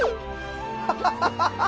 ハハハハハ！